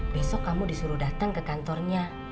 besok kamu disuruh datang ke kantornya